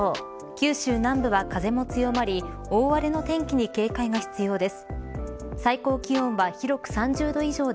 九州南部は風も強まり大荒れの天気に警戒が必要です。